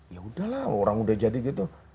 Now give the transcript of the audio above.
ya udahlah orang udah jadi gitu